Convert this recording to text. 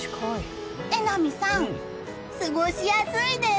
榎並さん、過ごしやすいです！